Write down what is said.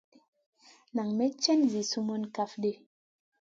Nan may cèn zi sumun kaf ɗi.